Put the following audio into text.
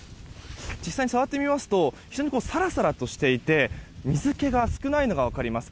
実際に触ってみますと非常にさらさらとしていて水気が少ないのが分かります。